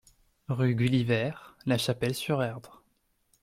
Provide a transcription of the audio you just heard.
Rue Gulliver, La Chapelle-sur-Erdre